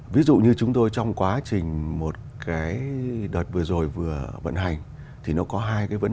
ví dụ như chúng tôi trong quá trình một cái đợt vừa rồi vừa vận hành